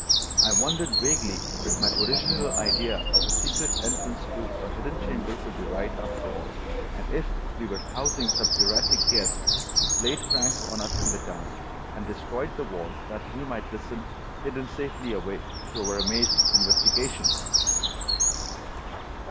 I wondered vaguely if my original idea of a secret entrance to a hidden chamber could be right, after all, and if we were housing some erratic guest, who played pranks on us in the dark, and destroyed the walls that he might listen, hidden safely away, to our amazed investigations.